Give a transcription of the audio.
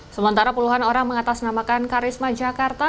sementara puluhan orang mengatasnamakan karisma jakarta